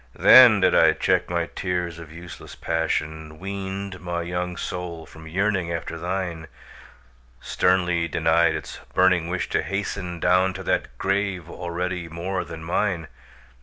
Then did I check my tears of useless passion, Weaned my young soul from yearning after thine, Sternly denied its burning wish to hasten Down to that grave already more than mine!